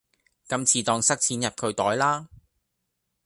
今次當塞錢入佢袋啦